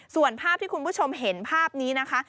ส่วนภาพที่คุณผู้ชมเห็นภาพนี้นะคะ